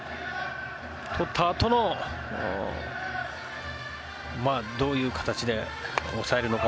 取ったあとのどういう形で抑えるのか。